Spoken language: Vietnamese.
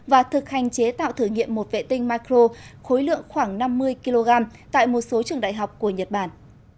và thực hành chế tạo thử nghiệm một vệ tinh micro khối lượng khoảng năm mươi kg tại một số trường đại học của nhật bản